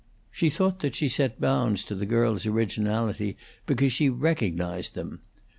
She thought that she set bounds to the girl's originality because she recognized them.